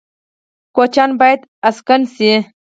کوچیان باید اسکان شي